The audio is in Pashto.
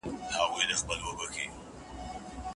نوي زيږول سوي ماشومان د سمو نومونو حق لري.